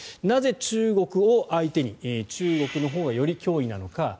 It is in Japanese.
なぜ、中国を相手に中国のほうがより脅威なのか。